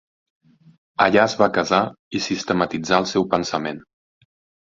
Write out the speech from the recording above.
Allà es va casar i sistematitzar el seu pensament.